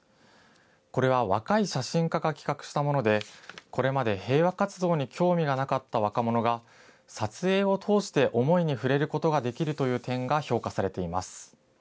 これは若い写真家が企画したもので、これまで平和活動に興味がなかった若者が、撮影を通して思いに触れることができるという点が評価されています。